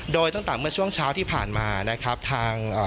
โดยตั้งแต่เมื่อช่วงเช้าที่ผ่านมานะครับทางเอ่อ